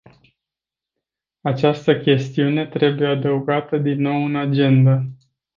Această chestiune trebuie adăugată din nou în agendă.